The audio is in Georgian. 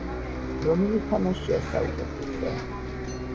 რომელი თამაშია საუკეთესო?